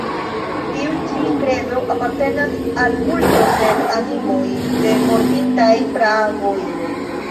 Tiu ĉi kredo apartenas al kulto de l' animoj de mortintaj praavoj.